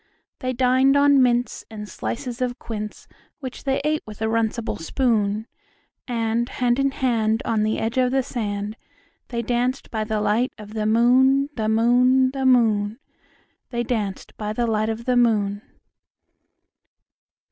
They dined on mince and slices of quince, Which they ate with a runcible spoon; And hand in hand, on the edge of the sand, They danced by the light of the moon, The moon, The moon, They danced by the light of the moon.